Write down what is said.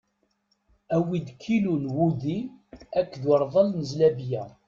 Awi-d kilu n wudi akked urḍel n zlabiyya.